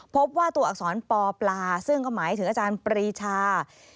พบว่าตัวอักษรปปลาซึ่งก็หมายถึงอาจารย์ปรีชา